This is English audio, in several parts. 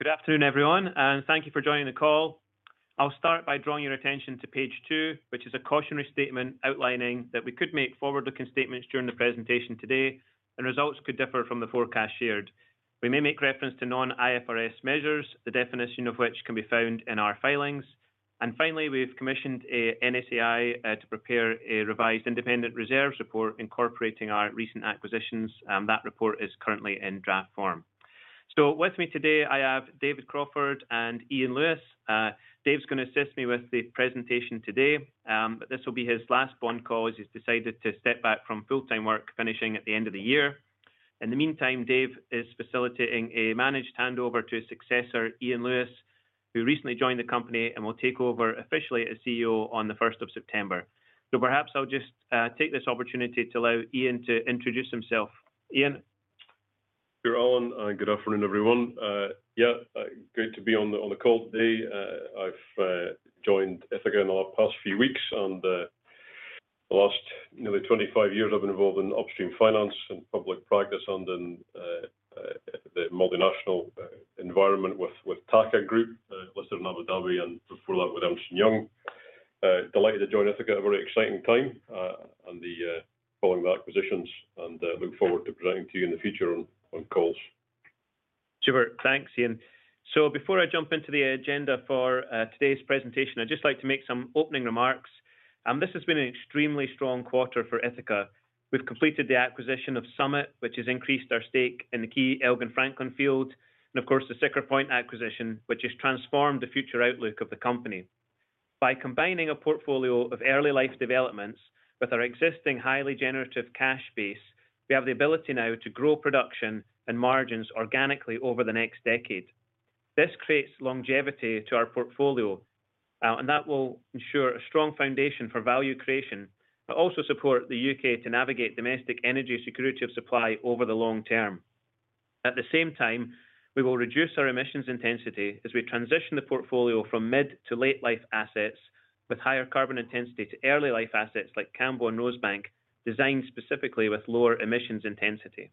Good afternoon, everyone, and thank you for joining the call. I'll start by drawing your attention to page two, which is a cautionary statement outlining that we could make forward-looking statements during the presentation today, and results could differ from the forecast shared. We may make reference to non-IFRS measures, the definition of which can be found in our filings. Finally, we've commissioned a NSAI to prepare a revised independent reserves report incorporating our recent acquisitions, and that report is currently in draft form. With me today, I have David Crawford and Iain Lewis. Dave's gonna assist me with the presentation today, but this will be his last bond call as he's decided to step back from full-time work finishing at the end of the year. In the meantime, David is facilitating a managed handover to his successor, Iain Lewis, who recently joined the company and will take over officially as CEO on the first of September. Perhaps I'll just take this opportunity to allow Iain to introduce himself. Iain? Sure, Alan. Good afternoon, everyone. Great to be on the call today. I've joined Ithaca in the past few weeks and the last nearly 25 years I've been involved in upstream finance and public practice and in the multinational environment with TAQA Group, listed in Abu Dhabi and before that with Ernst & Young. Delighted to join Ithaca at a very exciting time and following the acquisitions, look forward to presenting to you in the future on calls. Super. Thanks, Ian. Before I jump into the agenda for today's presentation, I'd just like to make some opening remarks. This has been an extremely strong quarter for Ithaca. We've completed the acquisition of Summit, which has increased our stake in the key Elgin-Franklin field, and of course, the Siccar Point acquisition, which has transformed the future outlook of the company. By combining a portfolio of early life developments with our existing highly generative cash base, we have the ability now to grow production and margins organically over the next decade. This creates longevity to our portfolio, and that will ensure a strong foundation for value creation, but also support the U.K. to navigate domestic energy security of supply over the long term. At the same time, we will reduce our emissions intensity as we transition the portfolio from mid to late life assets with higher carbon intensity to early life assets like Cambo and Rosebank, designed specifically with lower emissions intensity.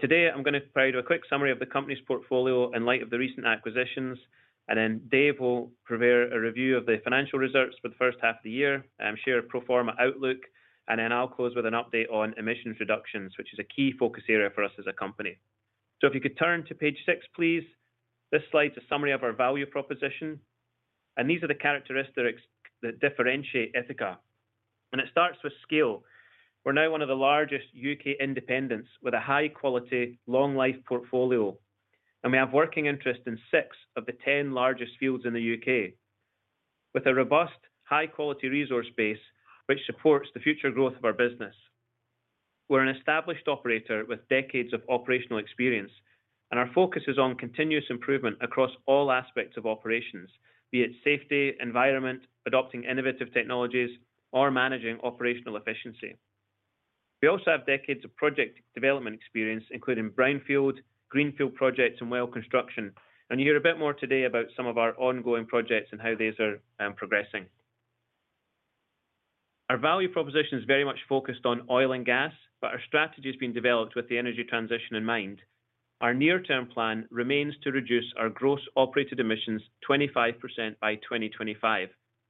Today I'm gonna provide a quick summary of the company's portfolio in light of the recent acquisitions, and then Dave will prepare a review of the financial results for the first half of the year and share a pro forma outlook, and then I'll close with an update on emissions reductions, which is a key focus area for us as a company. If you could turn to page six, please. This slide's a summary of our value proposition, and these are the characteristics that differentiate Ithaca. It starts with scale. We're now one of the largest U.K. independents with a high quality, long life portfolio, and we have working interest in six of the 10 largest fields in the U.K. with a robust, high quality resource base which supports the future growth of our business. We're an established operator with decades of operational experience, and our focus is on continuous improvement across all aspects of operations, be it safety, environment, adopting innovative technologies or managing operational efficiency. We also have decades of project development experience, including brownfield, greenfield projects and well construction. You'll hear a bit more today about some of our ongoing projects and how these are progressing. Our value proposition is very much focused on oil and gas, but our strategy has been developed with the energy transition in mind. Our near term plan remains to reduce our gross operated emissions 25% by 2025.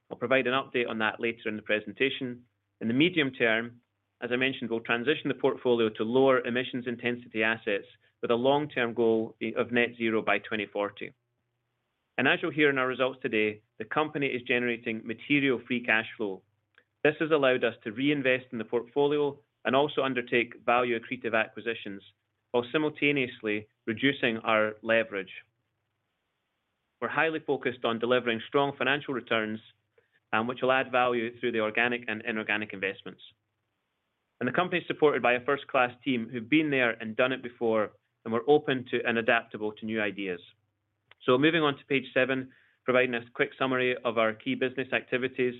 I'll provide an update on that later in the presentation. In the medium term, as I mentioned, we'll transition the portfolio to lower emissions intensity assets with a long term goal of net zero by 2040. As you'll hear in our results today, the company is generating material free cash flow. This has allowed us to reinvest in the portfolio and also undertake value accretive acquisitions while simultaneously reducing our leverage. We're highly focused on delivering strong financial returns, which will add value through the organic and inorganic investments. The company is supported by a first class team who've been there and done it before and were open to and adaptable to new ideas. Moving on to page seven, providing a quick summary of our key business activities.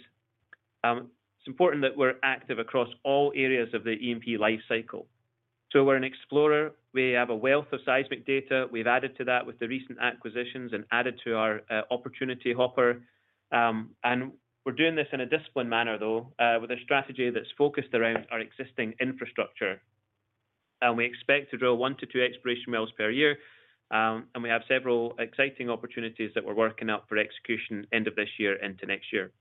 It's important that we're active across all areas of the E&P life cycle. We're an explorer. We have a wealth of seismic data. We've added to that with the recent acquisitions and added to our opportunity hopper. We're doing this in a disciplined manner, though, with a strategy that's focused around our existing infrastructure. We expect to drill 1-2 exploration wells per year, and we have several exciting opportunities that we're working up for execution end of this year into next year.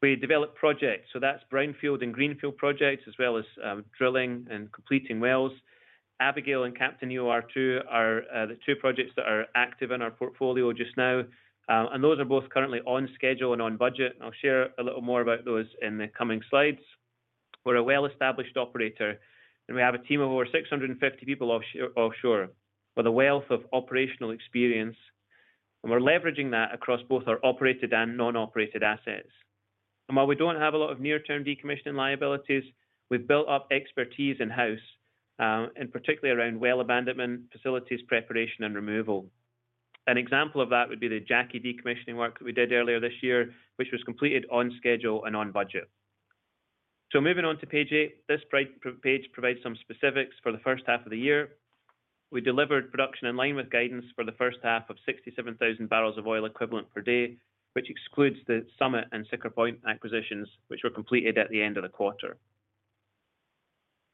We develop projects, so that's brownfield and greenfield projects, as well as drilling and completing wells. Abigail and Captain EOR are the two projects that are active in our portfolio just now. Those are both currently on schedule and on budget, and I'll share a little more about those in the coming slides. We're a well-established operator, and we have a team of over 650 people offshore with a wealth of operational experience, and we're leveraging that across both our operated and non-operated assets. While we don't have a lot of near term decommissioning liabilities, we've built up expertise in-house, and particularly around well abandonment, facilities preparation and removal. An example of that would be the Jackie decommissioning work that we did earlier this year, which was completed on schedule and on budget. Moving on to page eight. This page provides some specifics for the first half of the year. We delivered production in line with guidance for the first half of 67,000 barrels of oil equivalent per day, which excludes the Summit and Siccar Point acquisitions, which were completed at the end of the quarter.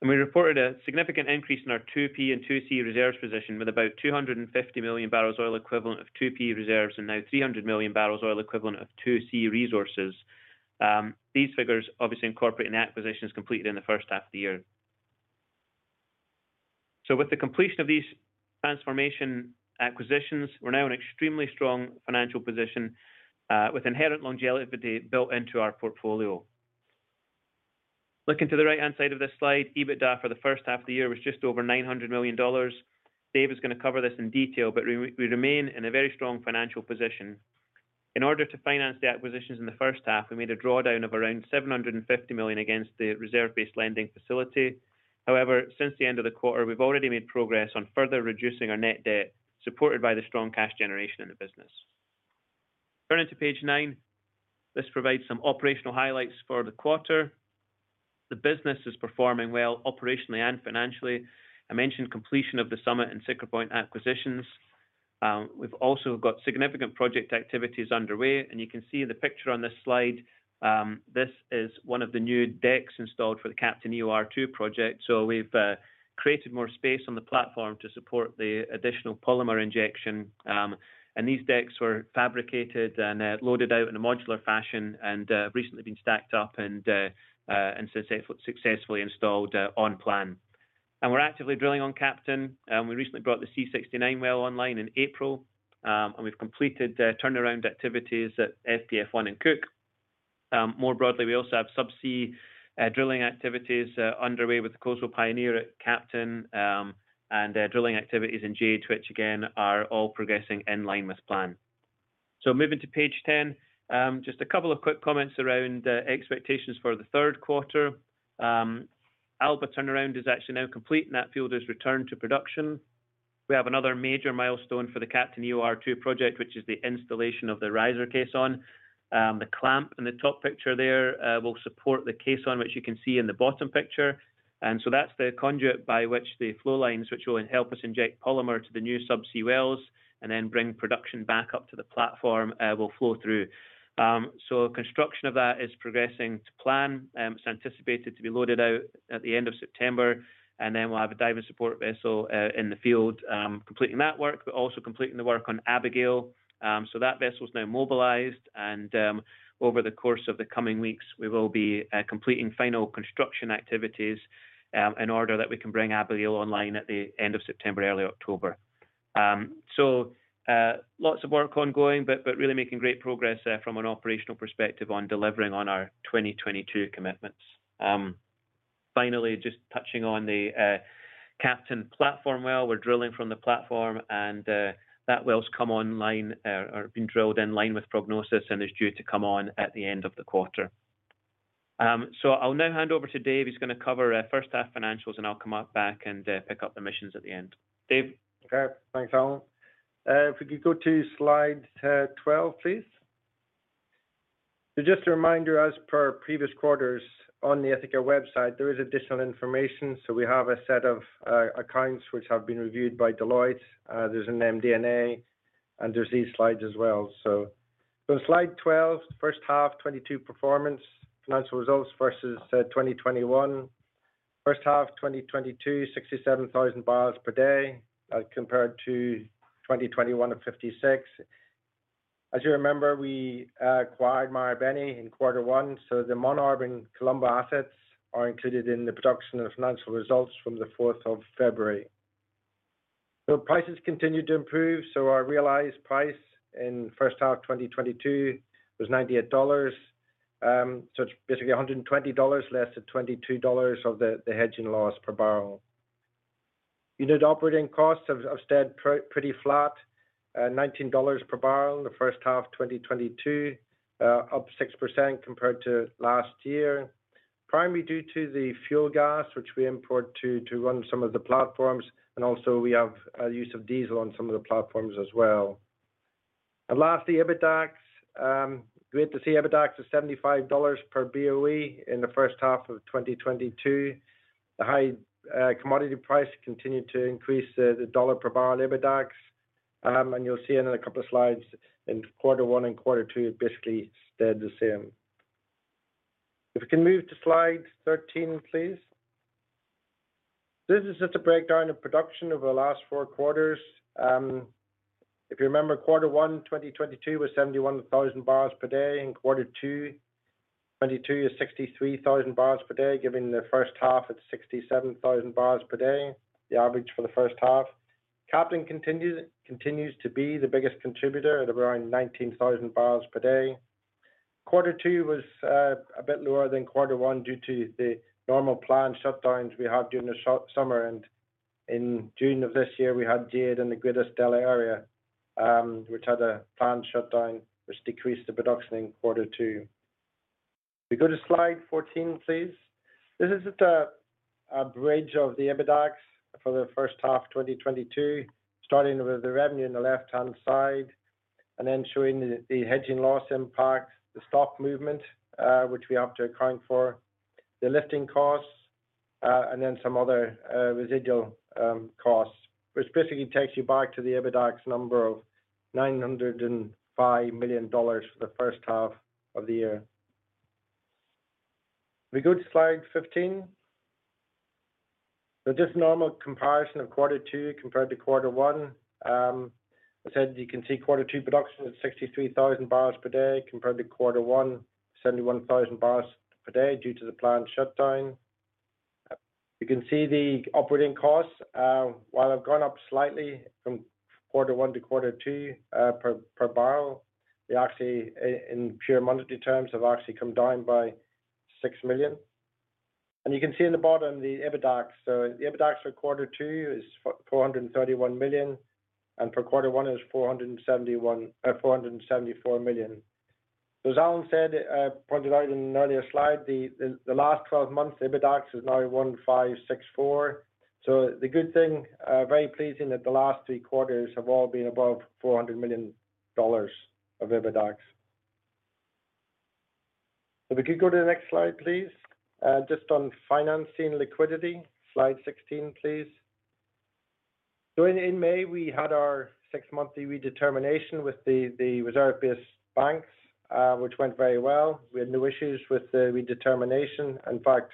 We reported a significant increase in our 2P and 2C reserves position with about 250 million barrels of oil equivalent of 2P reserves and now 300 million barrels of oil equivalent of 2C resources. These figures obviously incorporate an acquisition completed in the first half of the year. With the completion of these transformation acquisitions, we're now in extremely strong financial position, with inherent longevity built into our portfolio. Looking to the right-hand side of this slide, EBITDA for the first half of the year was just over $900 million. Dave is gonna cover this in detail, but we remain in a very strong financial position. In order to finance the acquisitions in the first half, we made a drawdown of around $750 million against the reserve-based lending facility. However, since the end of the quarter, we've already made progress on further reducing our net debt, supported by the strong cash generation in the business. Turning to page nine, this provides some operational highlights for the quarter. The business is performing well operationally and financially. I mentioned completion of the Summit and Siccar Point acquisitions. We've also got significant project activities underway, and you can see the picture on this slide. This is one of the new decks installed for the Captain EOR Phase II project. We've created more space on the platform to support the additional polymer injection. These decks were fabricated and loaded out in a modular fashion and recently been stacked up and successfully installed on plan. We're actively drilling on Captain, and we recently brought the C-69 well online in April. We've completed the turnaround activities at FPF-1 in Cook. More broadly, we also have subsea drilling activities underway with the Coastal Pioneer at Captain, and drilling activities in Jade, which again, are all progressing in line with plan. Moving to page 10, just a couple of quick comments around expectations for the third quarter. Alba turnaround is actually now complete, and that field is returned to production. We have another major milestone for the Captain EOR Phase II project, which is the installation of the riser caisson. The clamp in the top picture there will support the caisson, which you can see in the bottom picture. That's the conduit by which the flow lines which will then help us inject polymer to the new subsea wells and then bring production back up to the platform will flow through. Construction of that is progressing to plan. It's anticipated to be loaded out at the end of September, and then we'll have a diving support vessel in the field completing that work, but also completing the work on Abigail. That vessel is now mobilized and, over the course of the coming weeks, we will be completing final construction activities in order that we can bring Abigail online at the end of September, early October. Lots of work ongoing, but really making great progress from an operational perspective on delivering on our 2022 commitments. Finally, just touching on the Captain platform. Well, we're drilling from the platform and that well's come online or been drilled in line with prognosis and is due to come on at the end of the quarter. I'll now hand over to David, who's gonna cover first half financials, and I'll come back up and pick up the emissions at the end. David? Okay. Thanks, Alan. If we could go to slide 12, please. Just a reminder, as per previous quarters on the Ithaca website, there is additional information. We have a set of accounts which have been reviewed by Deloitte. There's an MD&A, and there's these slides as well. Slide 12, first half 2022 performance financial results versus 2021. First half 2022, 67,000 barrels per day, compared to 2021 of 56. As you remember, we acquired Marubeni in quarter one, so the Montrose and Columba assets are included in the production of financial results from the fourth of February. Prices continued to improve. Our realized price in first half 2022 was $98. It's basically $120 less at $22 of the hedging loss per barrel. Unit operating costs have stayed pretty flat, $19 per barrel in the first half of 2022, up 6% compared to last year, primarily due to the fuel gas which we import to run some of the platforms, and also we have use of diesel on some of the platforms as well. Lastly, EBITDAX. Great to see EBITDAX of $75 per BOE in the first half of 2022. The high commodity price continued to increase the dollar per barrel in EBITDAX, and you'll see in a couple of slides in quarter one and quarter two, it basically stayed the same. If we can move to slide 13, please. This is just a breakdown of production over the last four quarters. If you remember, quarter one 2022 was 71,000 barrels per day, and quarter two 2022 is 63,000 barrels per day, giving the first half at 67,000 barrels per day, the average for the first half. Captain continues to be the biggest contributor at around 19,000 barrels per day. Quarter two was a bit lower than quarter one due to the normal planned shutdowns we had during the summer. In June of this year, we had Jade in the Greater Stella Area, which had a planned shutdown which decreased the production in quarter two. If we go to slide 14, please. This is just a bridge of the EBITDAX for the first half 2022, starting with the revenue on the left-hand side and then showing the hedging loss impact, the stock movement, which we have to account for, the lifting costs, and then some other residual costs, which basically takes you back to the EBITDAX number of $905 million for the first half of the year. If we go to slide 15. Just a normal comparison of quarter two compared to quarter one. As said, you can see quarter two production was 63,000 barrels per day compared to quarter one, 71,000 barrels per day due to the planned shutdown. You can see the operating costs, while they've gone up slightly from quarter one to quarter two, per barrel, they actually in pure monetary terms, have actually come down by $6 million. You can see at the bottom the EBITDA. The EBITDA for quarter two is $431 million, and for quarter one is $474 million. As Alan said, pointed out in an earlier slide, the last twelve months EBITDA is now $1,564 million. The good thing, very pleasing that the last three quarters have all been above $400 million of EBITDA. If we could go to the next slide, please. Just on financing liquidity. Slide sixteen, please. In May, we had our six-monthly redetermination with the reserve-based banks, which went very well. We had no issues with the redetermination. In fact,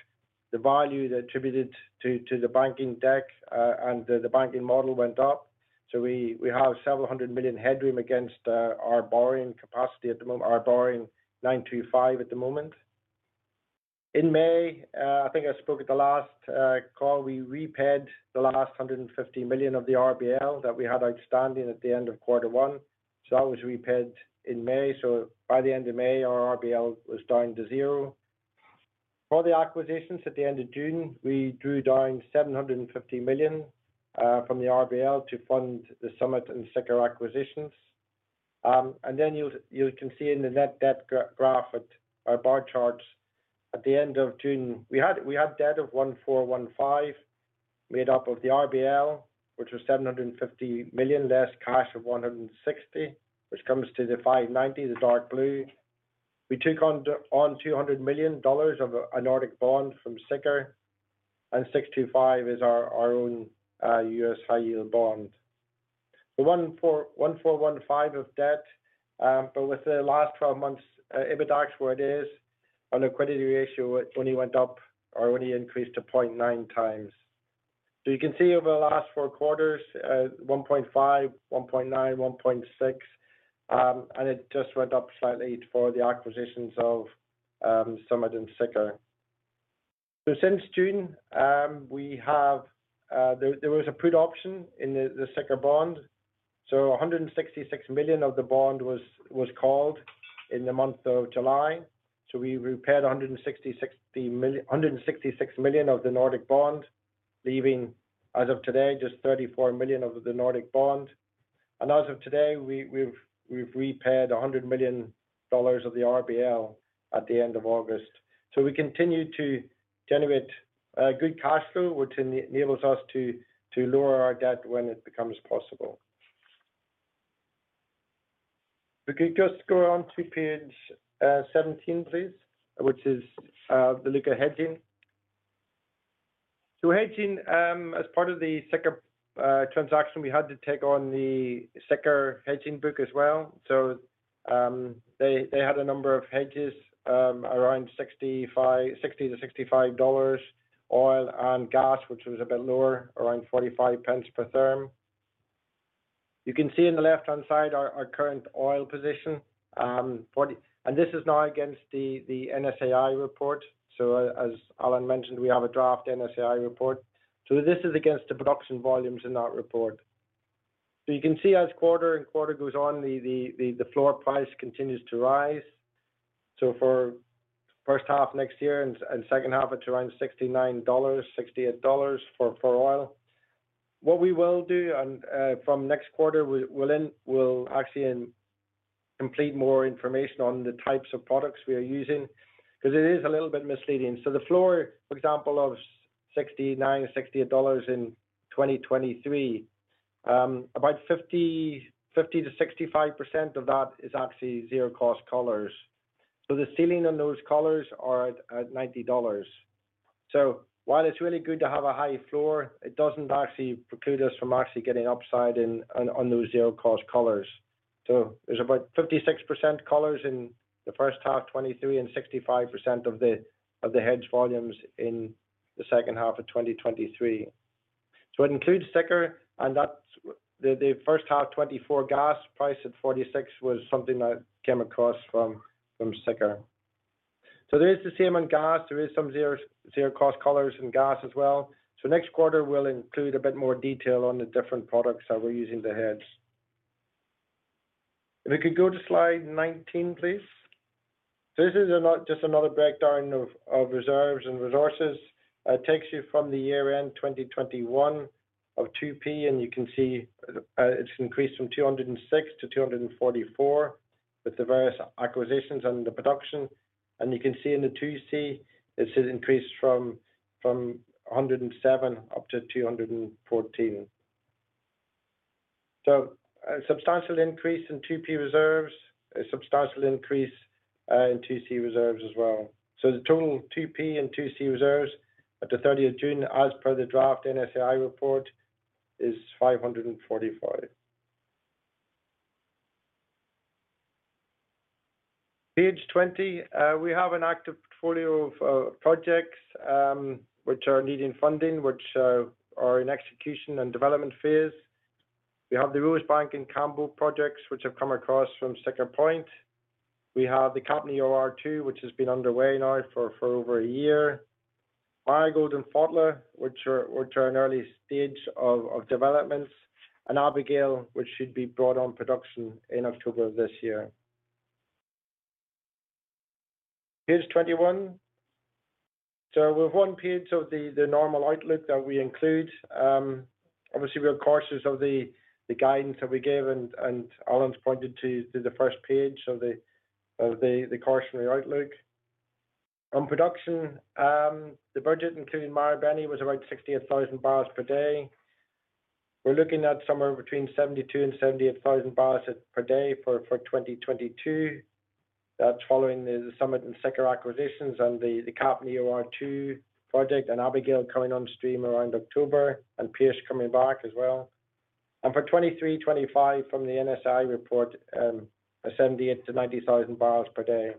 the value that attributed to the banking deck and the banking model went up. We have several hundred million headroom against our borrowing capacity at the moment, our borrowing $925 million at the moment. In May, I think I spoke at the last call, we repaid the last $150 million of the RBL that we had outstanding at the end of quarter one. That was repaid in May. By the end of May, our RBL was down to zero. For the acquisitions at the end of June, we drew down $750 million from the RBL to fund the Summit and Siccar Point acquisitions. You can see in the net debt graph at our bar charts, at the end of June, we had debt of $1,415 million made up of the RBL, which was $750 million less cash of $160 million, which comes to the $590 million, the dark blue. We took on $200 million of a Nordic bond from Siccar, and $625 million is our own US high yield bond. The $1,415 million of debt, but with the last twelve months EBITDA is where it is, our liquidity ratio only went up or only increased to 0.9x. You can see over the last four quarters, 1.5, 1.9, 1.6, and it just went up slightly for the acquisitions of Summit and Siccar. Since June, we have there was a put option in the Siccar bond. $166 million of the bond was called in the month of July. We repaid $166 million of the Nordic bond, leaving as of today just $34 million of the Nordic bond. As of today, we've repaid $100 million of the RBL at the end of August. We continue to generate good cash flow, which enables us to lower our debt when it becomes possible. If we could just go on to page 17, please, which is the look at hedging. Hedging, as part of the Siccar transaction, we had to take on the Siccar hedging book as well. They had a number of hedges around $60-$65 oil and gas, which was a bit lower, around 0.45 per therm. You can see in the left-hand side our current oil position. And this is now against the NSAI report. As Alan mentioned, we have a draft NSAI report. This is against the production volumes in that report. You can see as quarter and quarter goes on the floor price continues to rise. For first half next year and second half it's around $69, $68 for oil. What we will do and from next quarter we'll actually include more information on the types of products we are using because it is a little bit misleading. The floor, for example, of $69-$68 in 2023, about 50%-65% of that is actually zero cost collars. The ceiling on those collars are at $90. While it's really good to have a high floor, it doesn't actually preclude us from actually getting upside on those zero cost collars. There's about 56% collars in the first half 2023 and 65% of the hedged volumes in the second half of 2023. It includes Siccar and that's the first half 2024 gas price at $46 was something that came across from Siccar. There is the same on gas. There is some zero cost collars in gas as well. Next quarter we'll include a bit more detail on the different products that we're using to hedge. If we could go to slide 19, please. This is just another breakdown of reserves and resources. It takes you from the year-end 2021 of 2P, and you can see, it's increased from 206 to 244 with the various acquisitions and the production. You can see in the 2C, this has increased from a hundred and seven up to 214. A substantial increase in 2P reserves, a substantial increase and 2C reserves as well. The total 2P and 2C reserves at the 30th of June as per the draft NSAI report is 545. Page 20. We have an active portfolio of projects which are needing funding, which are in execution and development phase. We have the Rosebank and Cambo projects which have come across from Siccar Point. We have the Captain EOR 2, which has been underway now for over a year. Marigold and Fotla, which are in early stage of developments. Abigail, which should be brought on production in October of this year. Page 21. We have one page of the normal outlook that we include. Obviously we are cautious of the guidance that we gave, and Alan's pointed to the first page of the cautionary outlook. On production, the budget, including Marubeni, was about 68,000 barrels per day. We're looking at somewhere between 72,000 and 78,000 barrels per day for 2022. That's following the Summit and Siccar acquisitions, and the Captain EOR project, and Abigail coming on stream around October, and Pierce coming back as well. For 2023, 2025 from the NSAI report, 78,000 to 90,000 barrels per day,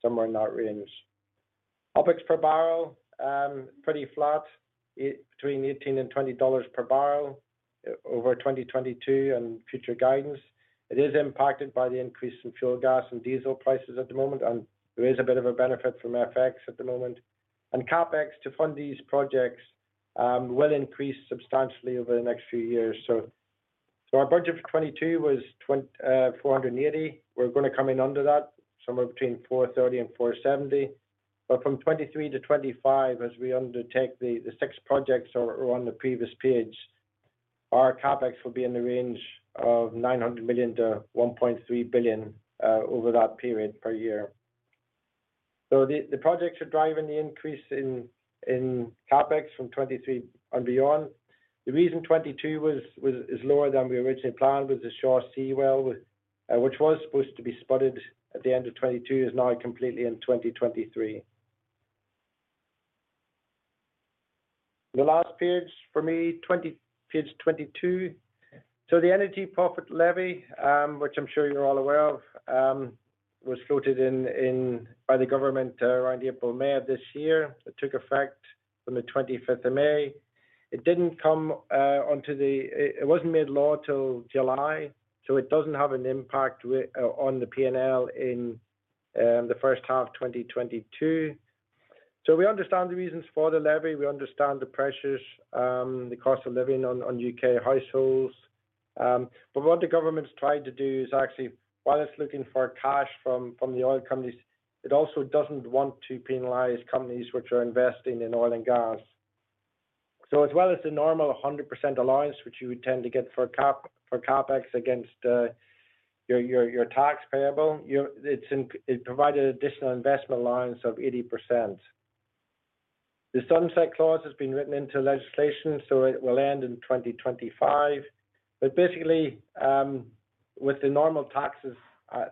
somewhere in that range. OpEx per barrel, pretty flat, between $18 and $20 per barrel over 2022 and future guidance. It is impacted by the increase in fuel gas and diesel prices at the moment, and there is a bit of a benefit from FX at the moment. CapEx to fund these projects will increase substantially over the next few years. Our budget for 2022 was $480 million. We're gonna come in under that, somewhere between $430 million and $470 million. From 2023 to 2025 as we undertake the six projects on the previous page, our CapEx will be in the range of $900 million-$1.3 billion over that period per year. The projects are driving the increase in CapEx from 2023 and beyond. The reason 2022 is lower than we originally planned was the Shaw C well, which was supposed to be spudded at the end of 2022, is now completely in 2023. The last page for me, page 22. The Energy Profits Levy, which I'm sure you're all aware of, was floated by the government around April, May of this year. It took effect on the twenty-fifth of May. It wasn't made law till July, so it doesn't have an impact on the P&L in the first half 2022. We understand the reasons for the levy, we understand the pressures, the cost of living on U.K. households. What the government's tried to do is actually, while it's looking for cash from the oil companies, it also doesn't want to penalize companies which are investing in oil and gas. As well as the normal 100% allowance which you would tend to get for CapEx against your tax payable, it provided additional investment allowance of 80%. The sunset clause has been written into legislation, so it will end in 2025. Basically, with the normal taxes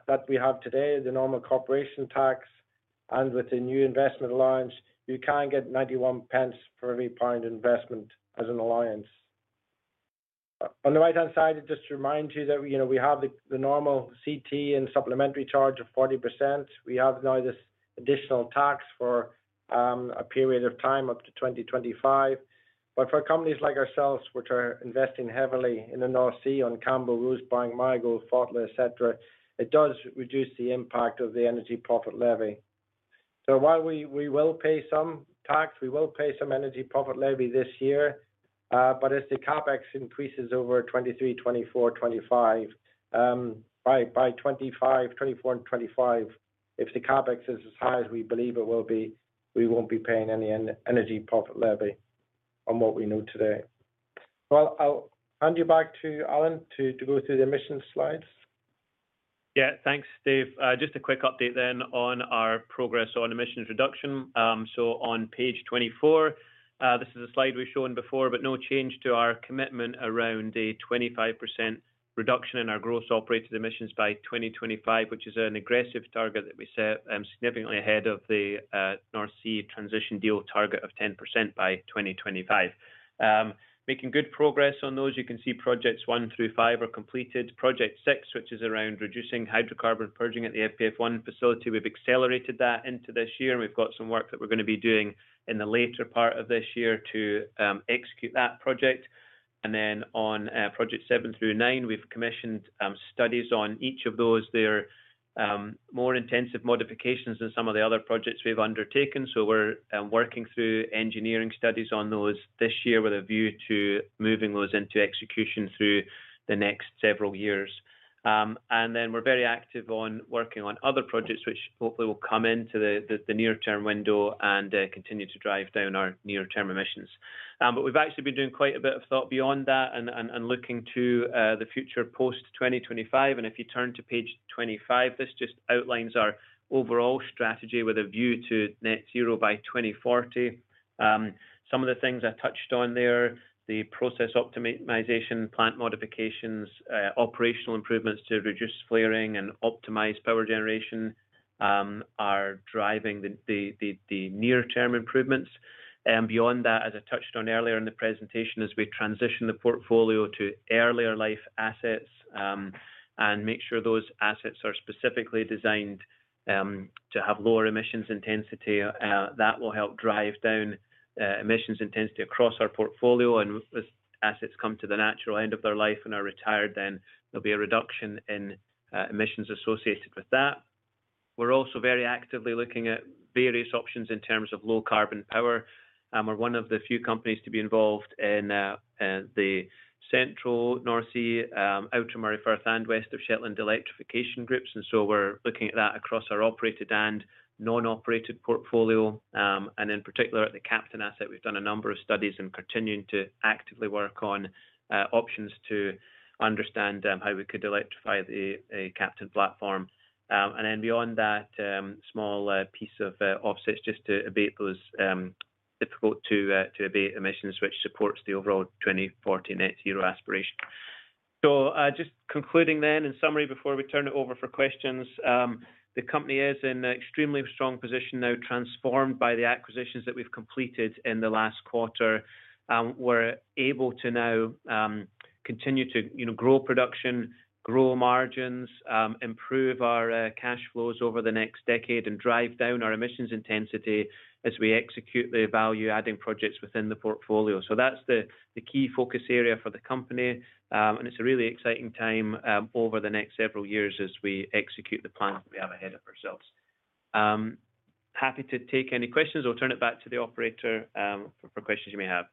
that we have today, the normal corporation tax and with the new investment allowance, you can get 91 pence for every pound investment as an allowance. On the right-hand side just to remind you that, you know, we have the normal CT and supplementary charge of 40%. We have now this additional tax for a period of time up to 2025. For companies like ourselves which are investing heavily in the North Sea on Cambo, Rosebank, Marigold, Fotla, et cetera, it does reduce the impact of the Energy Profits Levy. While we will pay some tax, we will pay some Energy Profits Levy this year, but as the CapEx increases over 2023, 2024, 2025, by 2025, 2024 and 2025, if the CapEx is as high as we believe it will be, we won't be paying any Energy Profits Levy on what we know today. Well, I'll hand you back to Alan to go through the emissions slides. Yeah. Thanks, Dave. Just a quick update on our progress on emissions reduction. On page 24, this is a slide we've shown before, but no change to our commitment around a 25% reduction in our gross operated emissions by 2025, which is an aggressive target that we set, significantly ahead of the North Sea Transition Deal target of 10% by 2025. Making good progress on those. You can see Projects I through V are completed. Project VI, which is around reducing hydrocarbon purging at the FPF-1 facility, we've accelerated that into this year, and we've got some work that we're gonna be doing in the later part of this year to execute that project. On Projects VII through IX, we've commissioned studies on each of those. They're more intensive modifications than some of the other projects we've undertaken, so we're working through engineering studies on those this year with a view to moving those into execution through the next several years. We're very active on working on other projects, which hopefully will come into the near-term window and continue to drive down our near-term emissions. We've actually been doing quite a bit of thought beyond that and looking to the future post 2025. If you turn to page 25, this just outlines our overall strategy with a view to net zero by 2040. Some of the things I touched on there, the process optimization, plant modifications, operational improvements to reduce flaring and optimize power generation. Are driving the near-term improvements. Beyond that, as I touched on earlier in the presentation, as we transition the portfolio to earlier-life assets, and make sure those assets are specifically designed to have lower emissions intensity, that will help drive down emissions intensity across our portfolio. As assets come to the natural end of their life and are retired, then there'll be a reduction in emissions associated with that. We're also very actively looking at various options in terms of low-carbon power. We're one of the few companies to be involved in the Central North Sea, Outer Moray Firth and West of Shetland electrification groups. We're looking at that across our operated and non-operated portfolio. In particular at the Captain asset, we've done a number of studies and continuing to actively work on options to understand how we could electrify the Captain platform. Beyond that, small piece of offsets just to abate those difficult to abate emissions, which supports the overall 2040 net zero aspiration. In summary, before we turn it over for questions, the company is in extremely strong position now transformed by the acquisitions that we've completed in the last quarter. We're able to now continue to, you know, grow production, grow margins, improve our cash flows over the next decade, and drive down our emissions intensity as we execute the value-adding projects within the portfolio. That's the key focus area for the company. It's a really exciting time over the next several years as we execute the plans we have ahead of ourselves. Happy to take any questions or turn it back to the operator for questions you may have.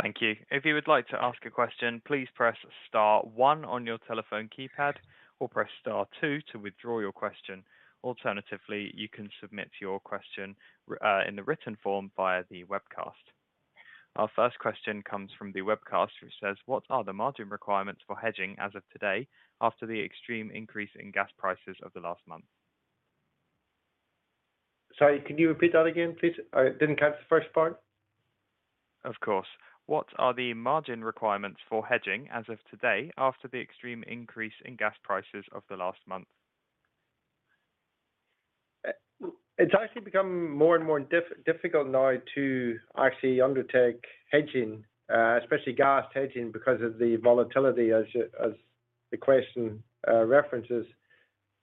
Thank you. If you would like to ask a question, please press star one on your telephone keypad or press star two to withdraw your question. Alternatively, you can submit your question in the written form via the webcast. Our first question comes from the webcast, which says, What are the margin requirements for hedging as of today after the extreme increase in gas prices of the last month? Sorry, can you repeat that again, please? I didn't catch the first part. Of course. What are the margin requirements for hedging as of today after the extreme increase in gas prices of the last month? It's actually become more and more difficult now to actually undertake hedging, especially gas hedging because of the volatility as the question references.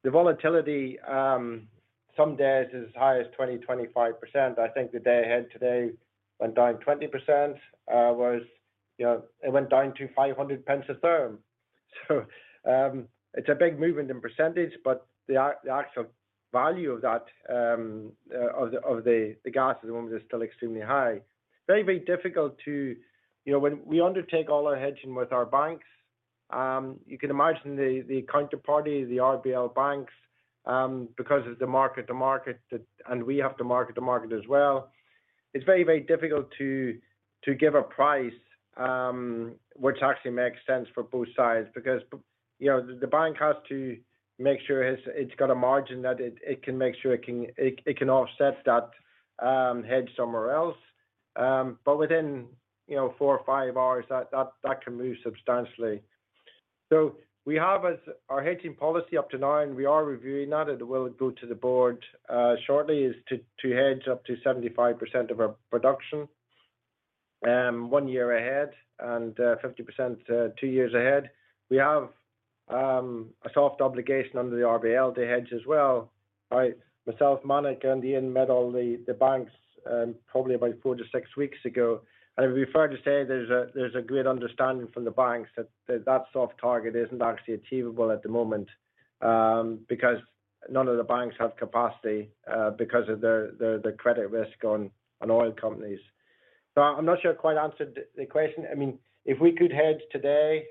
The volatility some days is as high as 25%. I think the day ahead today went down 20%. It went down to 5 a therm. It's a big movement in percentage, but the actual value of that, of the gas at the moment is still extremely high. It's very, very difficult. When we undertake all our hedging with our banks, you can imagine the counterparty, the RBL banks, because it's the mark-to-market that, and we have to mark-to-market as well. It's very, very difficult to give a price which actually makes sense for both sides because you know, the bank has to make sure it's got a margin that it can make sure it can offset that hedge somewhere else. Within you know, four or five hours, that can move substantially. We have as our hedging policy up to now, and we are reviewing that, it will go to the board shortly, is to hedge up to 75% of our production one year ahead and 50% two years ahead. We have a soft obligation under the RBL to hedge as well. I myself, Yaniv, and Ian met all the banks probably about four to six weeks ago. I'll be fair to say there's a great understanding from the banks that soft target isn't actually achievable at the moment, because none of the banks have capacity, because of the credit risk on oil companies. I'm not sure I quite answered the question. I mean, if we could hedge today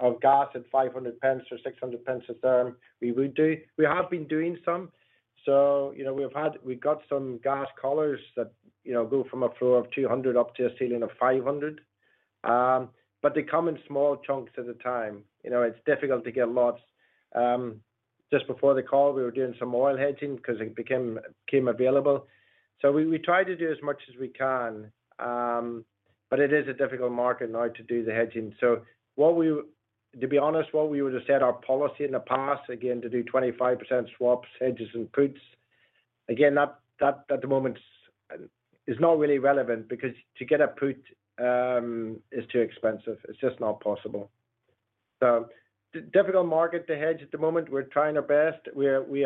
of gas at 5 or 6 a therm, we would do. We have been doing some. You know, we've got some gas collars that go from a floor of 2 up to a ceiling of 5. But they come in small chunks at a time. You know, it's difficult to get lots. Just before the call, we were doing some oil hedging because it came available. We try to do as much as we can, but it is a difficult market now to do the hedging. To be honest, what we would have set our policy in the past, again, to do 25% swaps, hedges, and puts. Again, that at the moment is not really relevant because to get a put is too expensive. It's just not possible. Difficult market to hedge at the moment. We're trying our best. We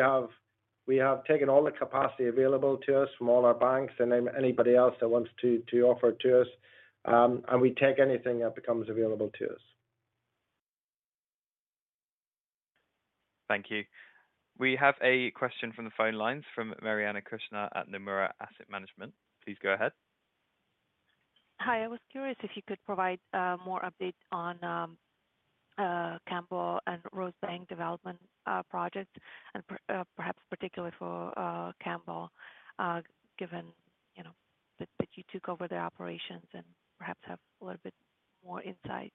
have taken all the capacity available to us from all our banks and then anybody else that wants to offer to us, and we take anything that becomes available to us. Thank you. We have a question from the phone lines from Mariana Krishna at Nomura Asset Management. Please go ahead. Hi. I was curious if you could provide more update on Cambo and Rosebank development projects and perhaps particularly for Cambo, given, you know, that you took over their operations and perhaps have a little bit more insight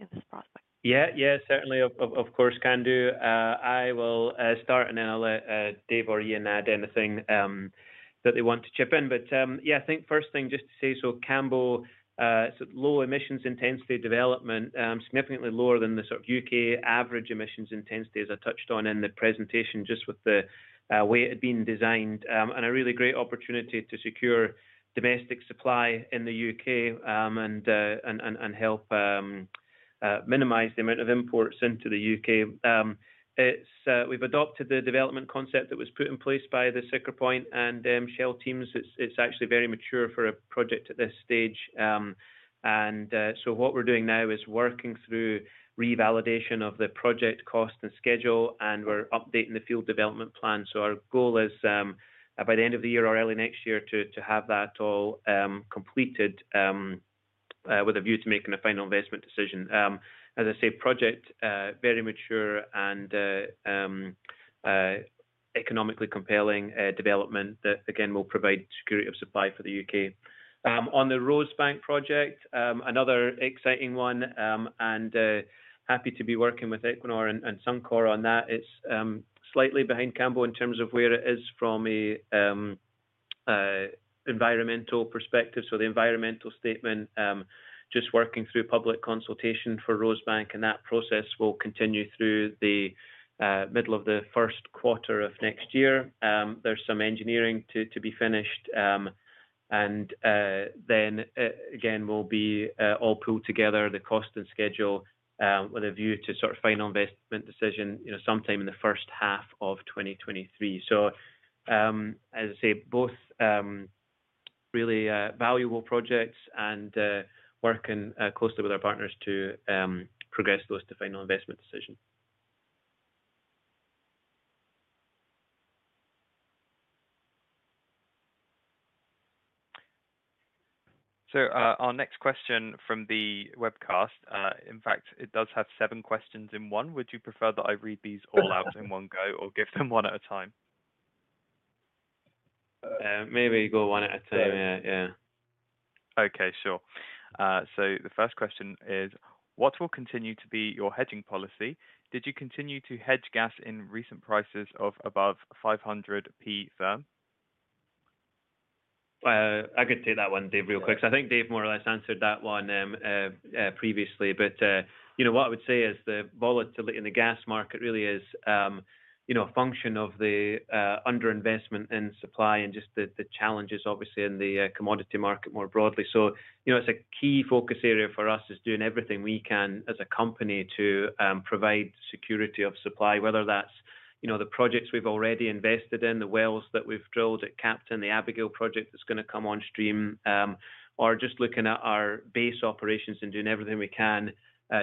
in this prospect. Yeah. Yeah, certainly of course can do. I will I'll start, and then I'll let Dave or Ian add anything that they want to chip in. Yeah, I think first thing just to say, so Cambo, low emissions intensity development, significantly lower than the sort of U.K. average emissions intensity, as I touched on in the presentation, just with the way it had been designed, and a really great opportunity to secure domestic supply in the U.K., and help minimize the amount of imports into the U.K. We've adopted the development concept that was put in place by the Siccar Point and Shell teams. It's actually very mature for a project at this stage. What we're doing now is working through revalidation of the project cost and schedule, and we're updating the field development plan. Our goal is by the end of the year or early next year to have that all completed with a view to making a final investment decision. As I say, project very mature and economically compelling development that again will provide security of supply for the U.K. On the Rosebank project, another exciting one, and happy to be working with Equinor and Suncor on that. It's slightly behind Cambo in terms of where it is from an environmental perspective. The environmental statement just working through public consultation for Rosebank, and that process will continue through the middle of the first quarter of next year. There's some engineering to be finished, and then again, we'll pull together the cost and schedule with a view to sort of final investment decision, you know, sometime in the first half of 2023. As I say, both really valuable projects and working closely with our partners to progress those to final investment decision. Our next question from the webcast, in fact, it does have seven questions in one. Would you prefer that I read these all out in one go or give them one at a time? Maybe go one at a time. Yeah. Yeah. Okay. Sure. The first question is, what will continue to be your hedging policy? Did you continue to hedge gas in recent prices of above 500p firm? I could take that one, Dave, real quick. I think Dave more or less answered that one, previously. You know, what I would say is the volatility in the gas market really is, you know, a function of the underinvestment in supply and just the challenges obviously in the commodity market more broadly. You know, it's a key focus area for us is doing everything we can as a company to provide security of supply, whether that's, you know, the projects we've already invested in, the wells that we've drilled at Captain, the Abigail project that's gonna come on stream, or just looking at our base operations and doing everything we can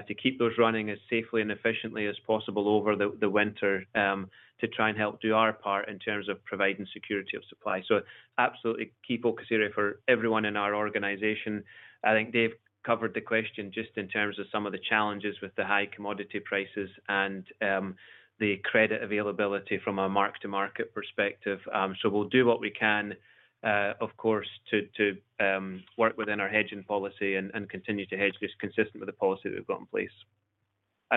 to keep those running as safely and efficiently as possible over the winter to try and help do our part in terms of providing security of supply. Absolutely key focus area for everyone in our organization. I think Dave covered the question just in terms of some of the challenges with the high commodity prices and the credit availability from a mark-to-market perspective. We'll do what we can, of course, to work within our hedging policy and continue to hedge just consistent with the policy that we've got in place.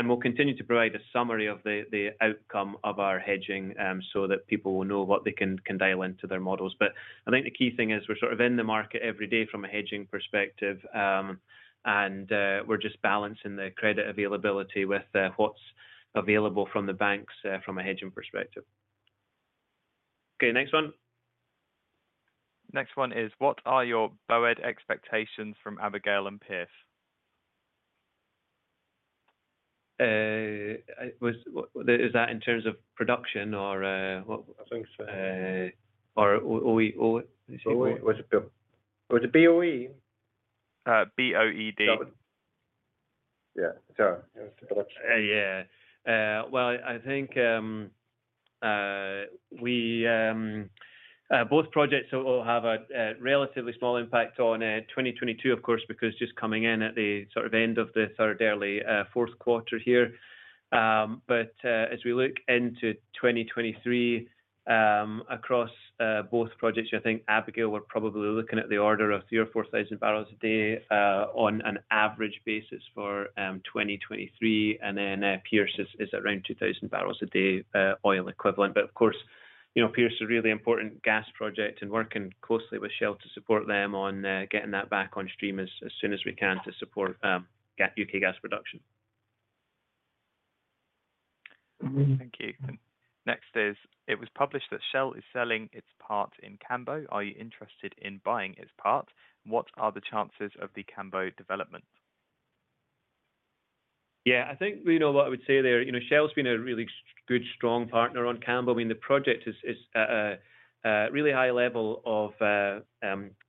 We'll continue to provide a summary of the outcome of our hedging, so that people will know what they can dial into their models. I think the key thing is we're sort of in the market every day from a hedging perspective, and we're just balancing the credit availability with what's available from the banks, from a hedging perspective. Okay, next one. Next one is, what are your BOED expectations from Abigail and Pierce? Was that in terms of production or what? I think so. OE. Was it BOE? B-O-E-D. Yeah. Sorry. Yeah. It's production. Yeah. Well, I think both projects will have a relatively small impact on 2022, of course, because just coming in at the sort of end of the sort of early fourth quarter here. As we look into 2023, across both projects, I think Abigail, we're probably looking at the order of 3,000-4,000 barrels a day, on an average basis for 2023. Then Pierce is around 2,000 barrels a day, oil equivalent. Of course, you know, Pierce is a really important gas project and working closely with Shell to support them on getting that back on stream as soon as we can to support U.K. gas production. Thank you. Next is, it was published that Shell is selling its part in Cambo. Are you interested in buying its part? What are the chances of the Cambo development? Yeah, I think, you know, what I would say there, you know, Shell's been a really good, strong partner on Cambo. I mean, the project is at a really high level of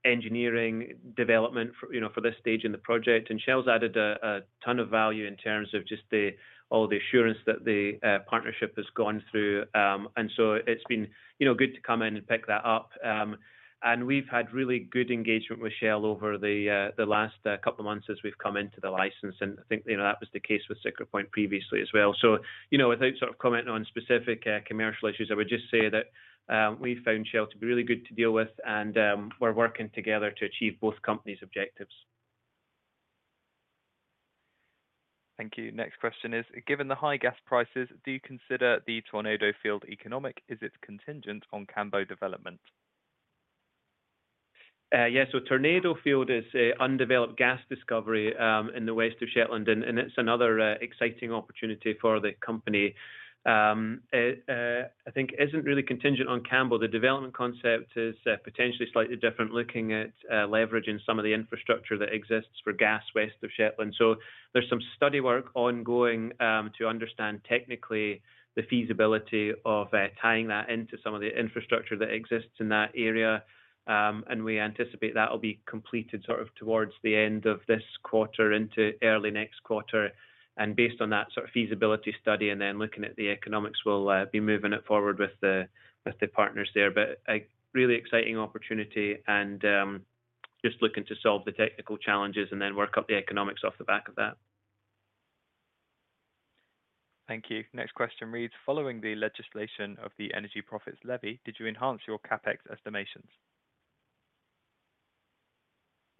engineering development for, you know, for this stage in the project. Shell's added a ton of value in terms of just all the assurance that the partnership has gone through. It's been, you know, good to come in and pick that up. We've had really good engagement with Shell over the last couple of months as we've come into the license. I think, you know, that was the case with Siccar Point previously as well. You know, without sort of commenting on specific commercial issues, I would just say that we found Shell to be really good to deal with, and we're working together to achieve both companies' objectives. Thank you. Next question is, given the high gas prices, do you consider the Tornado field economic? Is it contingent on Cambo development? Yeah. Tornado field is a undeveloped gas discovery in the west of Shetland, and it's another exciting opportunity for the company. I think isn't really contingent on Cambo. The development concept is potentially slightly different, looking at leveraging some of the infrastructure that exists for gas west of Shetland. There's some study work ongoing to understand technically the feasibility of tying that into some of the infrastructure that exists in that area. We anticipate that will be completed sort of towards the end of this quarter into early next quarter. Based on that sort of feasibility study, and then looking at the economics, we'll be moving it forward with the partners there. A really exciting opportunity and just looking to solve the technical challenges and then work up the economics off the back of that. Thank you. Next question reads, following the legislation of the Energy Profits Levy, did you enhance your CapEx estimations?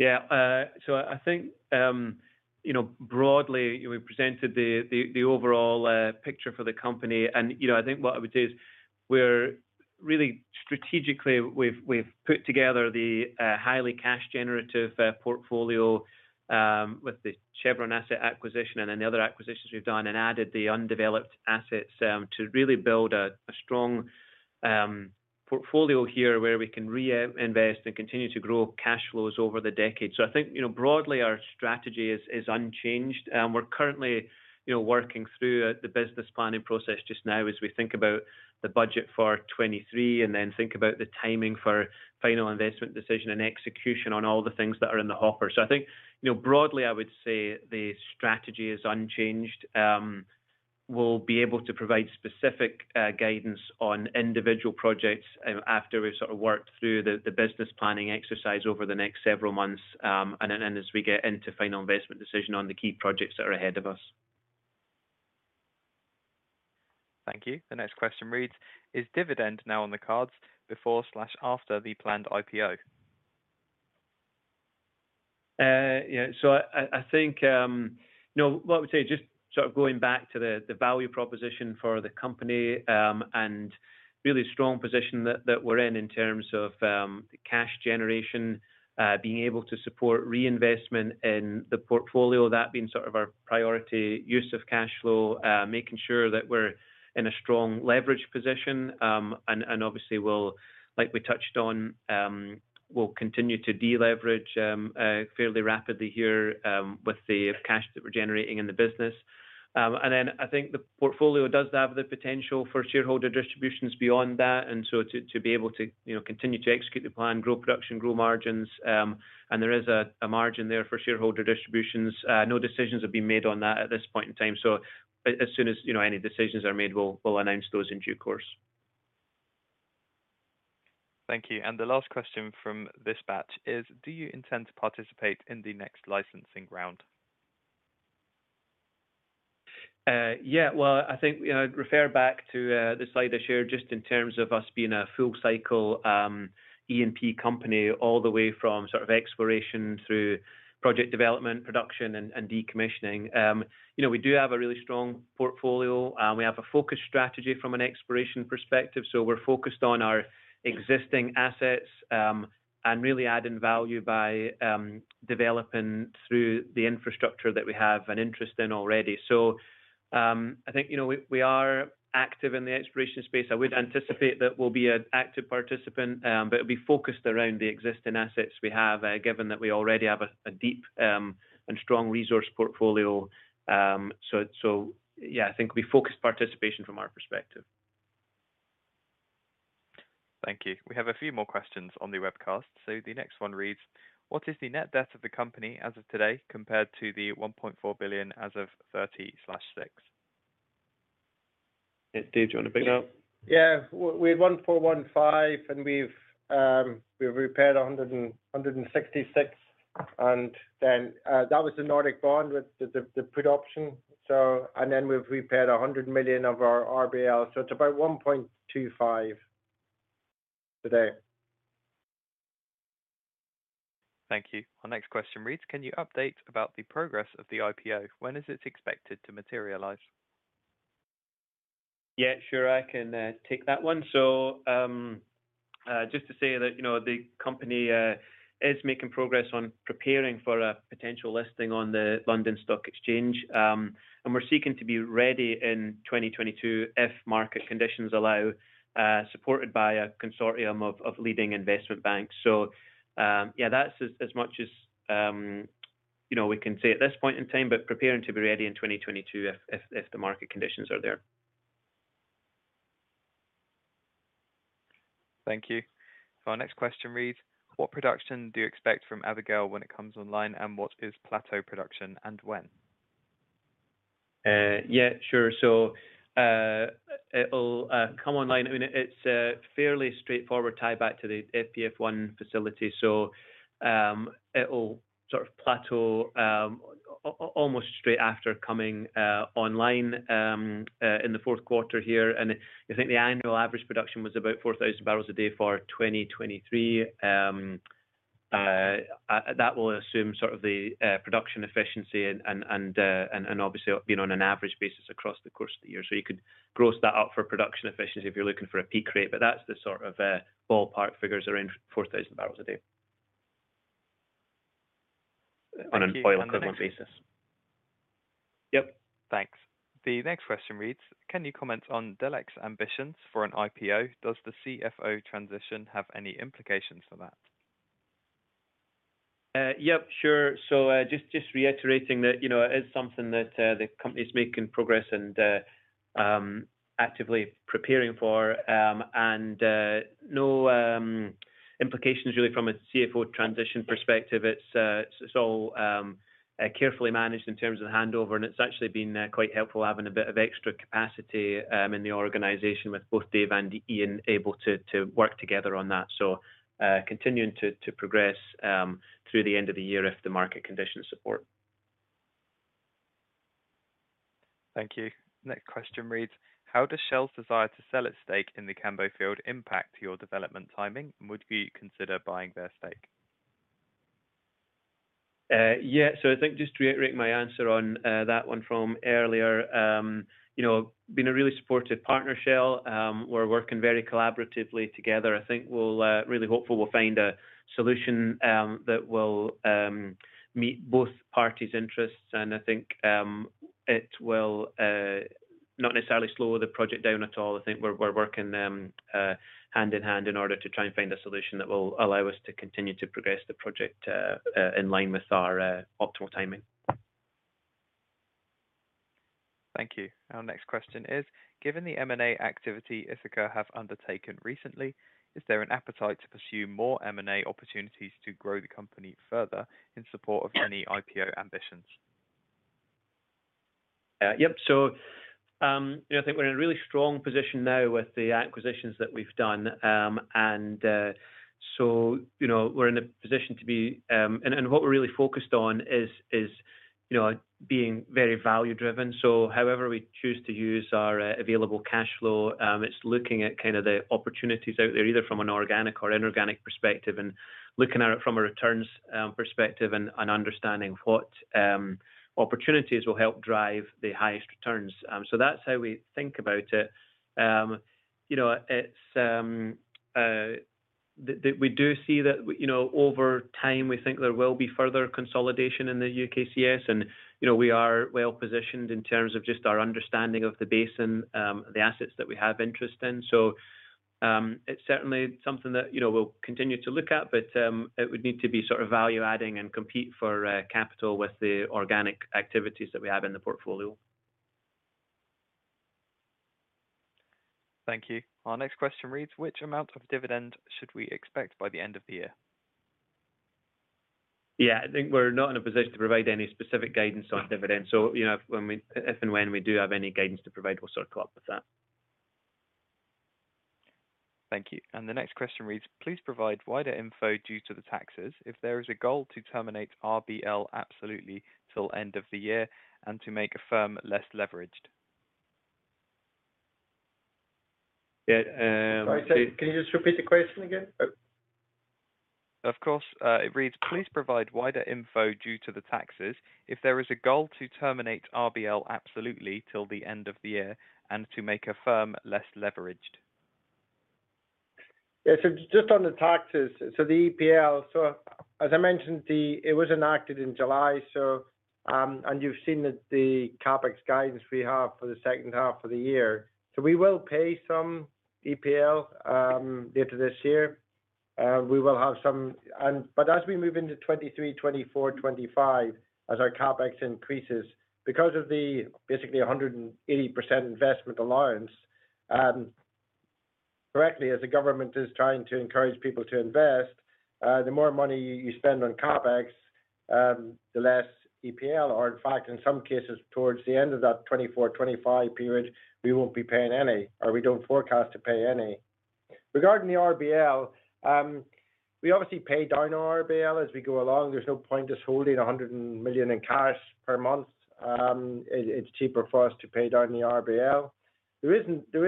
I think, you know, broadly, we presented the overall picture for the company. I think what I would say is we're really strategically we've put together the highly cash generative portfolio with the Chevron asset acquisition and then the other acquisitions we've done and added the undeveloped assets to really build a strong portfolio here where we can reinvest and continue to grow cash flows over the decade. I think broadly our strategy is unchanged. We're currently working through the business planning process just now as we think about the budget for 2023 and then think about the timing for final investment decision and execution on all the things that are in the hopper. I think, you know, broadly I would say the strategy is unchanged. We'll be able to provide specific guidance on individual projects after we've sort of worked through the business planning exercise over the next several months, and then as we get into final investment decision on the key projects that are ahead of us. Thank you. The next question reads, Is dividend now on the cards before/after the planned IPO? I think, you know, what I would say, just sort of going back to the value proposition for the company and really strong position that we're in in terms of the cash generation, being able to support reinvestment in the portfolio, that being sort of our priority use of cash flow, making sure that we're in a strong leverage position. Obviously, like we touched on, we'll continue to deleverage fairly rapidly here with the cash that we're generating in the business. Then I think the portfolio does have the potential for shareholder distributions beyond that. To be able to, you know, continue to execute the plan, grow production, grow margins, and there is a margin there for shareholder distributions. No decisions have been made on that at this point in time. As soon as, you know, any decisions are made, we'll announce those in due course. Thank you. The last question from this batch is, do you intend to participate in the next licensing round? I think, you know, refer back to the slide I shared just in terms of us being a full cycle E&P company all the way from sort of exploration through project development, production and decommissioning. You know, we do have a really strong portfolio. We have a focused strategy from an exploration perspective, so we're focused on our existing assets, and really adding value by developing through the infrastructure that we have an interest in already. I think, you know, we are active in the exploration space. I would anticipate that we'll be an active participant, but it'll be focused around the existing assets we have, given that we already have a deep and strong resource portfolio. Yeah, I think we focus participation from our perspective. Thank you. We have a few more questions on the webcast. The next one reads, what is the net debt of the company as of today compared to the $1.4 billion as of 30/6? Yeah. Dave, do you wanna pick that up? Yeah. We had $1.415 billion and we've repaid $166 million. That was the Nordic bond with the put option. We've repaid $100 million of our RBL. It's about $1.25 billion today. Thank you. Our next question reads, Can you update about the progress of the IPO? When is it expected to materialize? Yeah, sure. I can take that one. Just to say that, you know, the company is making progress on preparing for a potential listing on the London Stock Exchange. We're seeking to be ready in 2022 if market conditions allow, supported by a consortium of leading investment banks. Yeah, that's as much as, you know, we can say at this point in time, but preparing to be ready in 2022 if the market conditions are there. Thank you. Our next question reads, What production do you expect from Abigail when it comes online, and what is plateau production and when? Yeah, sure. It'll come online. I mean, it's a fairly straightforward tie back to the FPF-1 facility, so it'll sort of plateau almost straight after coming online in the fourth quarter here. I think the annual average production was about 4,000 barrels a day for 2023. That will assume sort of the production efficiency and obviously being on an average basis across the course of the year. You could gross that up for production efficiency if you're looking for a peak rate. But that's the sort of ballpark figures around 4,000 barrels a day. Thank you. The next one. On an oil equivalent basis. Yep. Thanks. The next question reads: Can you comment on Delek's ambitions for an IPO? Does the CFO transition have any implications for that? Yep, sure. Just reiterating that, you know, it is something that the company's making progress and actively preparing for. No implications really from a CFO transition perspective. It's all carefully managed in terms of the handover, and it's actually been quite helpful having a bit of extra capacity in the organization with both Dave and Ian able to work together on that. Continuing to progress through the end of the year if the market conditions support. Thank you. Next question reads: How does Shell's desire to sell its stake in the Cambo field impact your development timing? Would you consider buying their stake? Yeah. I think just to reiterate my answer on that one from earlier, you know, been a really supportive partner, Shell. We're working very collaboratively together. I think we're really hopeful we'll find a solution that will meet both parties' interests. I think it will not necessarily slow the project down at all. I think we're working hand-in-hand in order to try and find a solution that will allow us to continue to progress the project in line with our optimal timing. Thank you. Our next question is: Given the M&A activity Ithaca have undertaken recently, is there an appetite to pursue more M&A opportunities to grow the company further in support of any IPO ambitions? Yep. You know, I think we're in a really strong position now with the acquisitions that we've done. You know, we're in a position to be. What we're really focused on is you know, being very value driven. However we choose to use our available cash flow, it's looking at kind of the opportunities out there, either from an organic or inorganic perspective, and looking at it from a returns perspective and understanding what opportunities will help drive the highest returns. That's how we think about it. You know, it's. We do see that, you know, over time, we think there will be further consolidation in the U.K.CS, and, you know, we are well positioned in terms of just our understanding of the basin, the assets that we have interest in. It's certainly something that, you know, we'll continue to look at, but, it would need to be sort of value adding and compete for capital with the organic activities that we have in the portfolio. Thank you. Our next question reads: Which amount of dividend should we expect by the end of the year? Yeah. I think we're not in a position to provide any specific guidance on dividends. You know, if and when we do have any guidance to provide, we'll circle up with that. Thank you. The next question reads: Please provide wider info due to the taxes if there is a goal to terminate RBL absolutely till end of the year and to make a firm less leveraged? Yeah. Sorry, can you just repeat the question again? Of course. It reads: Please provide wider info due to the taxes if there is a goal to terminate RBL absolutely till the end of the year and to make a firm less leveraged. Yeah. Just on the taxes. The EPL, as I mentioned, it was enacted in July, and you've seen the CapEx guidance we have for the second half of the year. We will pay some EPL later this year. We will have some. As we move into 2023, 2024, 2025, as our CapEx increases, because of the basically a 180% investment allowance, correctly, as the government is trying to encourage people to invest, the more money you spend on CapEx, the less EPL. In fact, in some cases towards the end of that 2024/2025 period, we won't be paying any, or we don't forecast to pay any. Regarding the RBL, we obviously pay down our RBL as we go along. There's no point just holding $100 million in cash per month. It's cheaper for us to pay down the RBL. There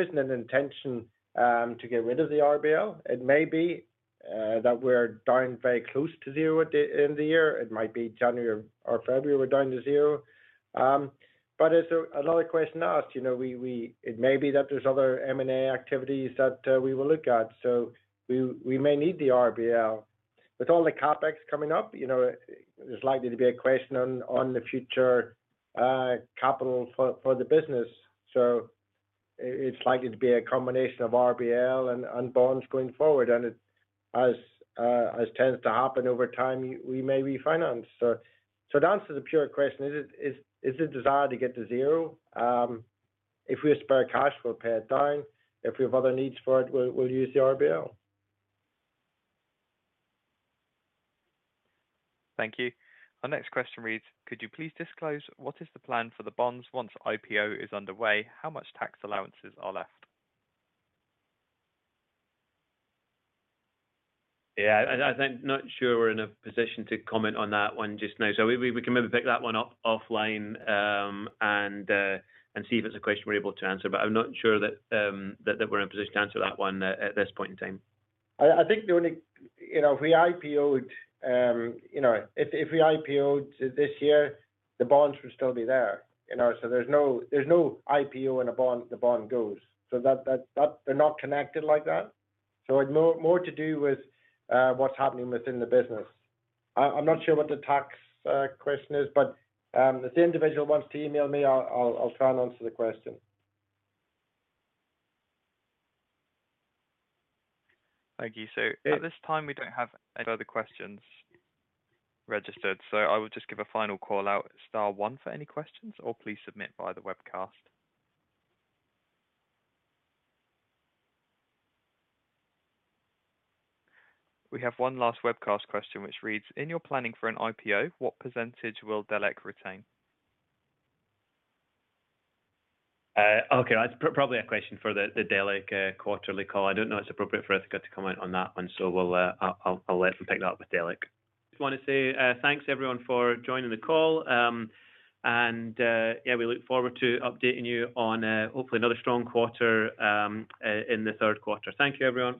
isn't an intention to get rid of the RBL. It may be that we're down very close to zero at the end of the year. It might be January or February, we're down to zero. As another question asked, you know, we may need the RBL. With all the CapEx coming up, you know, there's likely to be a question on the future capital for the business. It's likely to be a combination of RBL and bonds going forward. As tends to happen over time, we may refinance. The answer to the pure question is the desire to get to zero. If we have spare cash, we'll pay it down. If we have other needs for it, we'll use the RBL. Thank you. Our next question reads: Could you please disclose what is the plan for the bonds once IPO is underway? How much tax allowances are left? Yeah. I think, not sure, we're in a position to comment on that one just now. We can maybe pick that one up offline, and see if it's a question we're able to answer. I'm not sure that we're in a position to answer that one at this point in time. I think you know, if we IPO'd, you know. If we IPO this year, the bonds would still be there. You know? There's no IPO and a bond, the bond goes. That. They're not connected like that. It's more to do with what's happening within the business. I'm not sure what the tax question is, but if the individual wants to email me, I'll try and answer the question. Thank you. At this time, we don't have any further questions registered, so I will just give a final call out. Star one for any questions, or please submit via the webcast. We have one last webcast question which reads: In your planning for an IPO, what percentage will Delek retain? Okay. That's probably a question for the Delek quarterly call. I don't know if it's appropriate for Ithaca to comment on that one. I'll let them pick that up with Delek. Just wanna say, thanks everyone for joining the call. Yeah, we look forward to updating you on hopefully another strong quarter in the third quarter. Thank you, everyone.